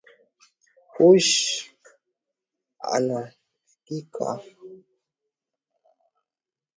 Pushi anafichikaka makucha yake mchana